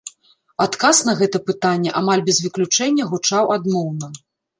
Адказ на гэта пытанне, амаль без выключэння, гучаў адмоўна.